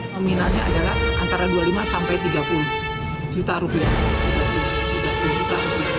nominalnya adalah antara dua puluh lima sampai tiga puluh juta rupiah